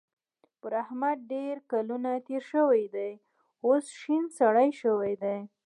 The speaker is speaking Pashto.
پر احمد ډېر کلونه تېر شوي دي؛ اوس شين سری شوی دی.